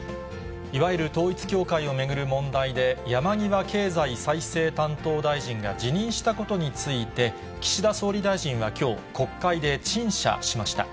いわゆる統一教会を巡る問題で、山際経済再生担当大臣が辞任したことについて、岸田総理大臣はきょう、国会で陳謝しました。